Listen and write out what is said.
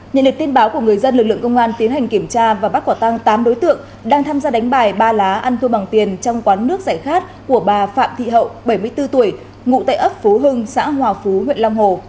nhận được tin báo của người dân lực lượng công an tiến hành kiểm tra và bắt quả tăng tám đối tượng đang tham gia đánh bài ba lá ăn thua bằng tiền trong quán nước giải khát của bà phạm thị hậu bảy mươi bốn tuổi ngụ tại ấp phú hưng xã hòa phú huyện long hồ